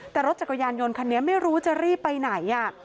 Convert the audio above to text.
แต่รถจักรยานยนต์คันนี้ไม่รู้จะรีบไปไหน